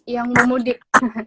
yang mau mudik